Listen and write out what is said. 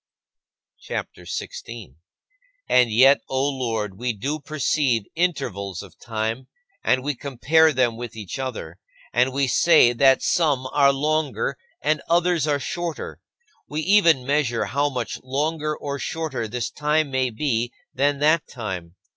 CHAPTER XVI 21. And yet, O Lord, we do perceive intervals of time, and we compare them with each other, and we say that some are longer and others are shorter. We even measure how much longer or shorter this time may be than that time.